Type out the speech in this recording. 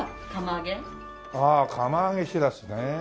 ああ釜揚げしらすね。